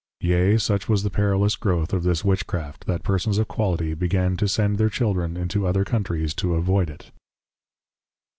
Yea, such was the perillous Growth of this Witchcraft, that Persons of Quality began to send their Children into other Countries to avoid it.